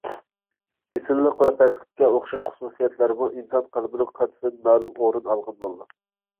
ئېسىللىق ۋە پەسلىككە ئوخشاش خۇسۇسىيەتلەرمۇ ئىنسان قەلبىنىڭ قاچىسىدىن مەلۇم ئورۇن ئالغان بولىدۇ.